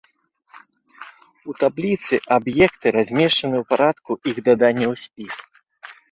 У табліцы аб'екты размешчаны ў парадку іх дадання ў спіс.